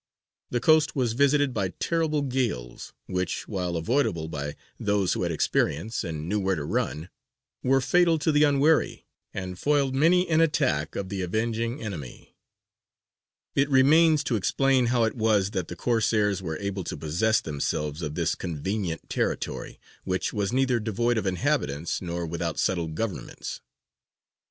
The coast was visited by terrible gales, which, while avoidable by those who had experience and knew where to run, were fatal to the unwary, and foiled many an attack of the avenging enemy. It remains to explain how it was that the Corsairs were able to possess themselves of this convenient territory, which was neither devoid of inhabitants nor without settled governments.